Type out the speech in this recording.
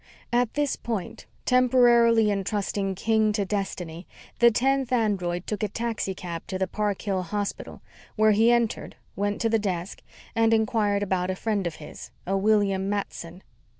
At this point, temporarily entrusting King to destiny, the tenth android took a taxicab to the Park Hill Hospital where he entered, went to the desk, and inquired about a friend of his, a William Matson.